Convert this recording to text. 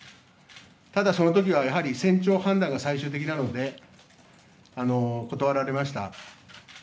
ただそのときはやはり船長判断が最終的なので断られました。